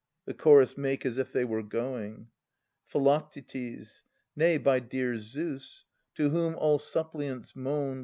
[The Chorus make as if they were going. Phi. Nay, by dear Zeus, to whom all suppliants main.